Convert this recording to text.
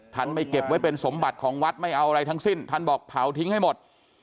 ไม่เก็บไว้เป็นสมบัติของวัดไม่เอาอะไรทั้งสิ้นท่านบอกเผาทิ้งให้หมด